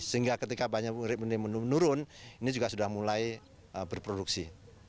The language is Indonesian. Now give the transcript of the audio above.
sehingga ketika banyu urib ini menurun ini juga sudah mulai berproduksi